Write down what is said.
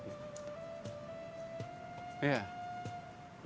dia mengkhianati cinta suci yang dilemparkan istrinya terhadap dia